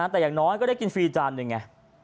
แต่อย่างน้อยก็ได้กินฟรีจานหนึ่งไง